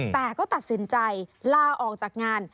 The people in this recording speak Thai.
แต่ก็ตัดสินใจลาออกจากงาน